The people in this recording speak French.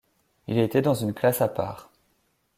Il était dans une classe à part.